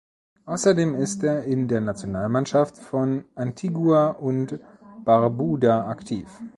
Außerdem ist er in der Nationalmannschaft von Antigua und Barbuda aktiv.